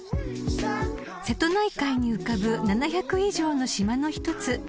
［瀬戸内海に浮かぶ７００以上の島の１つ直島］